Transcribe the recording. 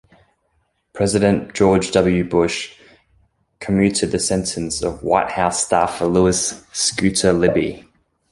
President George W. Bush commuted the sentence of White House staffer Lewis "Scooter" Libby.